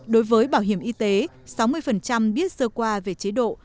đối với bảo hiểm y tế sáu mươi biết sơ qua về chế độ